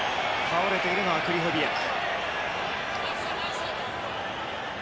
倒れているのはクリホビアク。